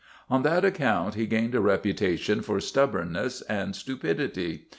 On that account he gained a reputation for stubbornness and stupidity.